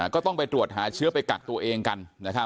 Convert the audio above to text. ก็ต้องไปตรวจหาเชื้อไปกักตัวเองกัน